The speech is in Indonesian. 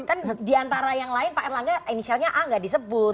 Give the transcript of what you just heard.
kan diantara yang lain pak erlangga inisialnya a nggak disebut